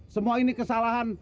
semua ini kesalahan